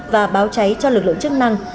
và báo cháy cho lực lượng chức năng